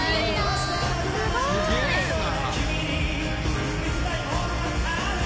すげえな。